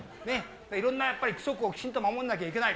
いろんな規則をきちんと守んなきゃいけない。